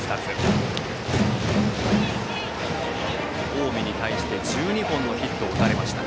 近江に対して１２本のヒットを打たれました。